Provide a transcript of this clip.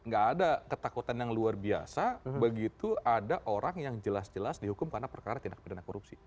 gak ada ketakutan yang luar biasa begitu ada orang yang jelas jelas dihukum karena perkara tindak pidana korupsi